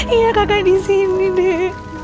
iya kakak disini deh